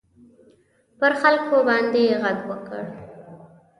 پر خلکو باندي ږغ وکړ.